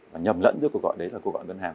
và nhầm lẫn giữa cuộc gọi đấy là cuộc gọi ngân hàng